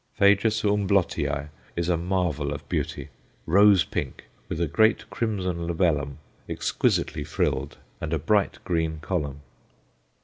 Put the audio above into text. P. Humblotii is a marvel of beauty rose pink, with a great crimson labellum exquisitely frilled, and a bright green column.